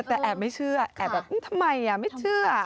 แต่แอบไม่เชื่อแอบแบบทำไมไม่เชื่อ